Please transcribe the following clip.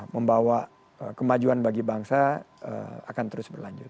membawa kemajuan bagi bangsa akan terus berlanjut